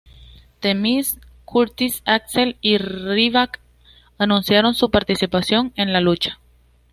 The Miz, Curtis Axel y Ryback anunciaron su participación en la lucha.